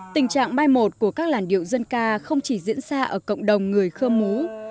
tình trạng mai một của các làn điệu dân ca không chỉ diễn ra ở cộng đồng người khơ mú